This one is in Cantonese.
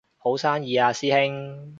好生意啊師兄